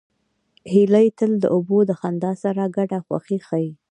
هیلۍ تل د اوبو د خندا سره ګډه خوښي ښيي